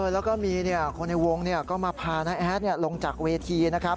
แล้วก็มีคนในวงก็มาพาน้าแอดลงจากเวทีนะครับ